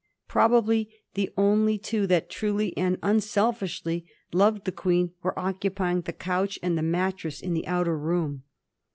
Probably the only two that truly and unselfishly loved the Queen were occupying the couch and the mattress in that outer room.